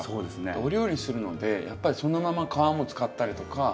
お料理するのでやっぱりそのまま皮も使ったりとかしたいので。